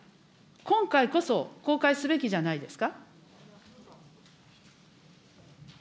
今回こそ公開すべきじゃないですか。